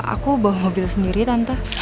aku bawa mobil sendiri tanpa